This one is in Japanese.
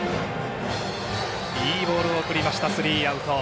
いいボールを送りましたスリーアウト。